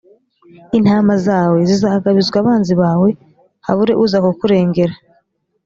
intama zawe zizagabizwa abanzi bawe, habure uza kukurengera.